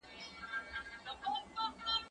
زه اجازه لرم چي مکتب ته لاړ شم!؟